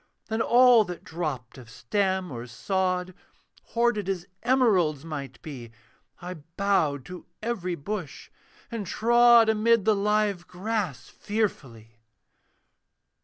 Then all that dropped of stem or sod, Hoarded as emeralds might be, I bowed to every bush, and trod Amid the live grass fearfully.